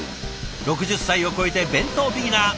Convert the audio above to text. ６０歳を超えて弁当ビギナー。